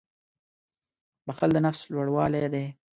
• بښل د نفس لوړوالی دی.